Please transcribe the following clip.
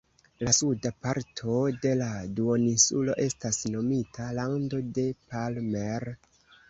La suda parto de la duoninsulo estas nomita "lando de Palmer".